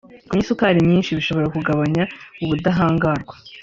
Kunywa isukari nyinshi bishobora kugabanya ubudahangarwa